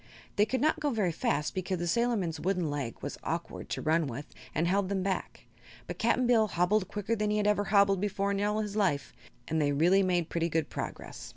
They could not go very fast because the sailorman's wooden leg was awkward to run with and held them back, but Cap'n Bill hobbled quicker than he had ever hobbled before in all his life, and they really made pretty good progress.